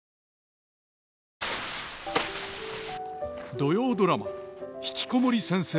土曜ドラマ「ひきこもり先生」。